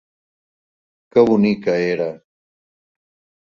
Que bonica era!